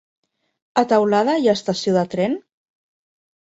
A Teulada hi ha estació de tren?